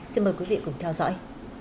xin mời quý vị cùng theo dõi